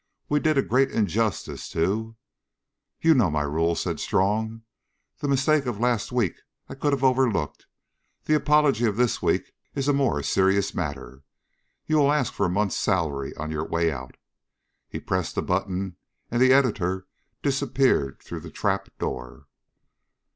We did a great injustice to " "You know my rule," said Strong. "The mistake of last week I could have overlooked. The apology of this week is a more serious matter. You will ask for a month's salary on your way out." He pressed a button and the editor disappeared through the trap door.